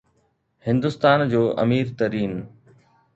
هندستان جو امير ترين